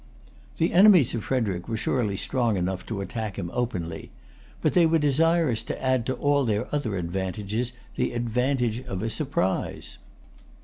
The enemies of Frederic were surely strong enough to attack him openly; but they were desirous to add to all their other advantages the advantage of a surprise.